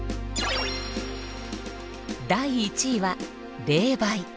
第１位は「冷媒」。